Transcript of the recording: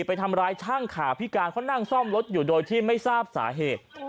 ไปทำร้ายช่างขาพิการเขานั่งซ่อมรถอยู่โดยที่ไม่ทราบสาเหตุ